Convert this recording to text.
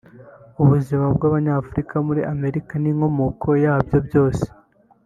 ubuzima bw’Abanyafurika muri Amerika n’inkomoko yabyo byose